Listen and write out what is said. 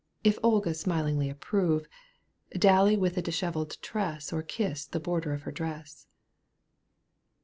If Olga smilingly approve, Dally with a dishevelled tress Or kiss the border of her dress.